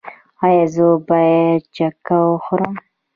ایا زه باید چکه وخورم؟